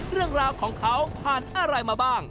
เรื่องราวของเขาผ่านอะไรมาบ้าง